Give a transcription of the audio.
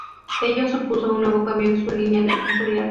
Ello supuso un nuevo cambio en su línea editorial.